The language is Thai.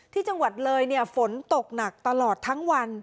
ที่จังหวัดเลยฝนตกหนักตลอดทั้งวัน